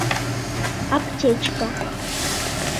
Аптечка